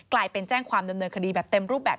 กลายเป็นแจ้งความดำเนินคดีแบบเต็มรูปแบบ